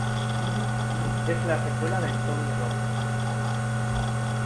Es la secuela de "Tony Rome".